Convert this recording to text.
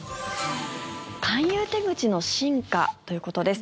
勧誘手口の進化ということです。